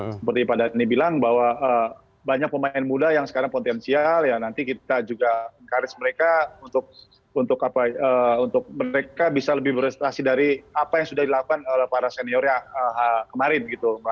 seperti pak dhani bilang bahwa banyak pemain muda yang sekarang potensial ya nanti kita juga engkauris mereka untuk mereka bisa lebih berprestasi dari apa yang sudah dilakukan oleh para seniornya kemarin gitu